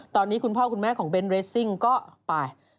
ตอนนี้คุณพ่อคุณแม่ของเบนท์เรสซิ่งก็ไป